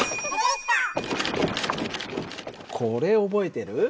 これ覚えてる？